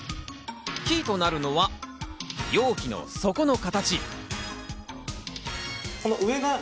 キーとなるのは容器の底の形。